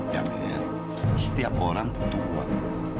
danir setiap orang butuh uang